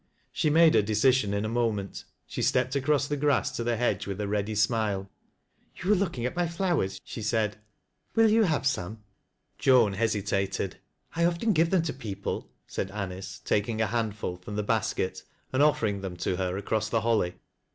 She made her decision in a moment. She stepped across the grast to the hedge with a ready smile. " You were looking at my flowers," she said. '"^ Will fou have some? " Joan hesitated. " I often give them to people/' said Anice, taking q handful from the basket and offering them to her across the holly.